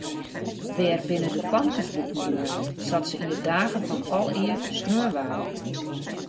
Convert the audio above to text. Wêr binne de famkesboeken bleaun sa't se yn de dagen fan alear skreaun waarden?